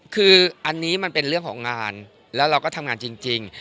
คืออันนี้มันเป็นเรื่องของงานแล้วเราก็ทำงานจริง